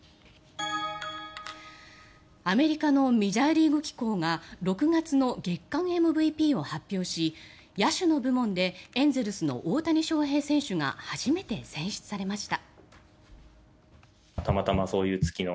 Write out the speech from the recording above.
アメリカのメジャーリーグ機構が６月の月間ＭＶＰを発表し野手の部門でエンゼルスの大谷翔平選手が初めて選出されました。